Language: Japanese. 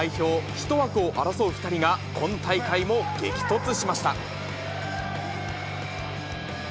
１枠を争う２人が、今大会も激突しました。